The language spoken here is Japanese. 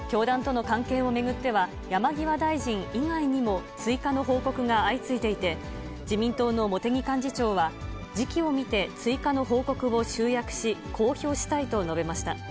教団との関係を巡っては、山際大臣以外にも追加の報告が相次いでいて、自民党の茂木幹事長は、時機を見て、追加の報告を集約し、公表したいと述べました。